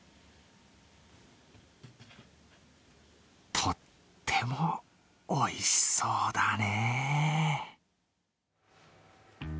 とってもおいしそうだね。